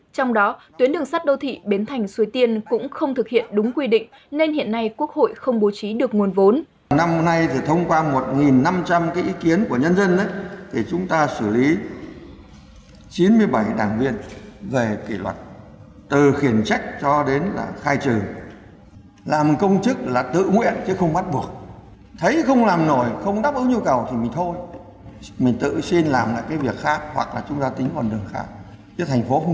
trong đó tuyến đường sắt đô thị bến thành xuế tiên cũng không thực hiện đúng quy định nên hiện nay quốc hội không bố trí được nguồn vốn